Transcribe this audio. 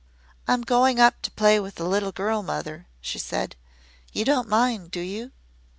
"I'm going up to play with the little girl, mother," she said. "You don't mind, do you?"